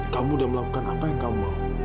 kamu sudah melakukan apa yang kamu mau